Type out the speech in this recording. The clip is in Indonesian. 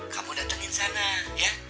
kamu datangin sana ya